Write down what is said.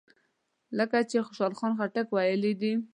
لکه چې خوشحال خټک ویلي دي.